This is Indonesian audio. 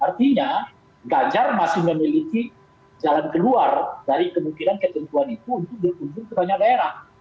artinya ganjar masih memiliki jalan keluar dari kemungkinan ketentuan itu untuk berkunjung ke banyak daerah